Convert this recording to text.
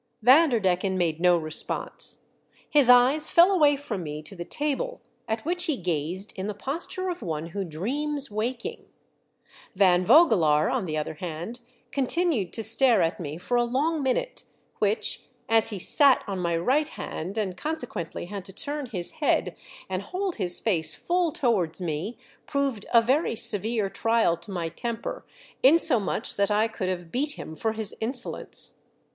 Vanderdecken made no response ; his eyes fell away from me to the table, at which he gazed in the posture of one who dreams waking. Van Vogelaar, on the other hand, continued to stare at me for a long minute, which, as he sate on mv ricjht hand and con THE GALE BREAKS. 20I sequently had to turn his head and hold his face full towards me, proved a very severe trial to my temper, insomuch that I could have beat him for his insolence.